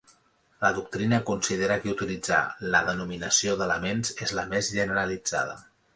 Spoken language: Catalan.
La doctrina considera que utilitzar la denominació d'elements és la més generalitzada.